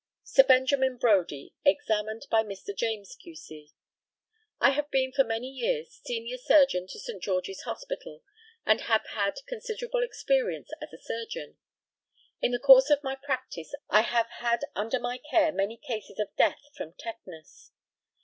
Sir BENJAMIN BRODIE, examined by Mr. JAMES, Q.C.: I have been for many years senior surgeon to St. George's Hospital, and have had considerable experience as a surgeon. In the course of my practice I have had under my care many cases of death from tetanus.